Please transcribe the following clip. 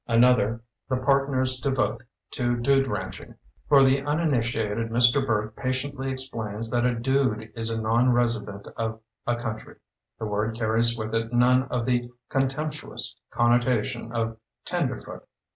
Another, the partners devote to "dude ranching". For the uniniti ated Mr. Burt patiently explains that a "dude" is a non resident of a coun try; the word carries with it none of the contemptuous connotation of "ten derfoot".